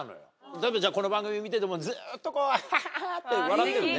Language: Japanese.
例えばこの番組見ててもずっとハハハって笑ってるのね。